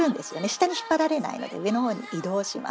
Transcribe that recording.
下に引っ張られないので上のほうに移動します。